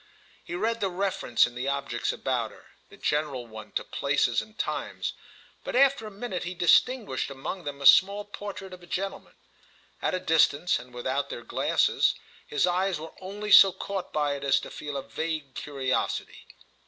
He read the reference in the objects about her—the general one to places and times; but after a minute he distinguished among them a small portrait of a gentleman. At a distance and without their glasses his eyes were only so caught by it as to feel a vague curiosity.